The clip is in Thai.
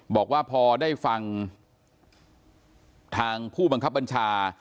บอกว่าพอได้ฟังทางผู้บังคับบัญชา